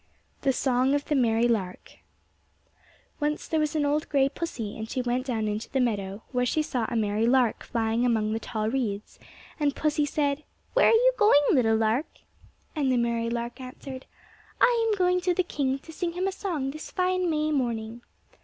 THE SONG OF THE MERRY LARK Once there was an old gray pussy, and she went down into the meadow, where she saw a merry lark flying among the tall reeds; and pussy said, "Where are you going, little lark?" And the merry lark answered, "I am going to the king to sing him a song this fine May morning."